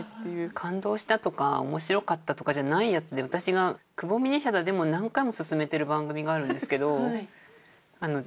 感動したとか面白かったとかじゃないやつで私が『久保みねヒャダ』でも何回も薦めてる番組があるんですけど。